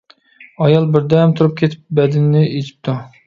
ئايال بىر دەم تۇرۇپ كېتىپ، بەدىنىنى ئېچىپتۇ.